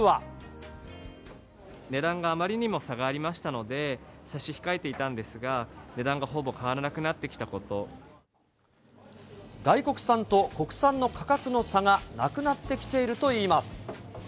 値段があまりにも差がありましたので、差し控えていたんですが、値段がほぼ変わらなくなって外国産と国産の価格の差がなくなってきているといいます。